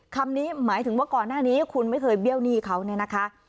คำนี้หมายถึงว่าก่อนหน้านี้คุณไม่เคยเบี้ยวหนี้เขาเนี่ยนะคะ